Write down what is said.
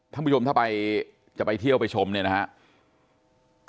ท่านผู้ชมถ้าจะไปเที่ยวไปชมเนี่ยนะครับ